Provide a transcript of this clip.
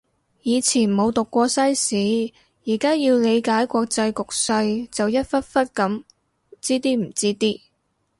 以前冇讀過西史，而家要理解國際局勢就一忽忽噉知啲唔知啲